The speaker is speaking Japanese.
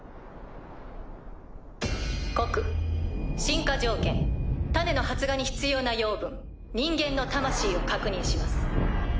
告進化条件種のハツガに必要なヨウブン人間の魂を確認します。